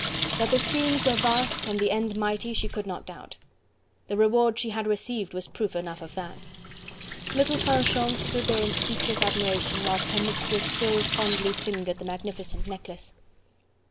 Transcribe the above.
That the schemes were vast and the end mighty, she could not doubt. The reward she had received was proof enough of that. Little Fanchon stood there in speechless admiration, whilst her mistress still fondly fingered the magnificent necklace.